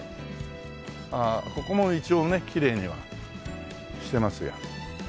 ああここも一応ねきれいにはしてますよ。